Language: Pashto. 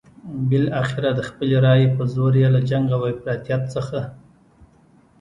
بالاخره د خپلې رايې په زور یې له جنګ او افراطیت څخه.